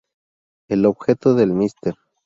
El objeto del "Mr.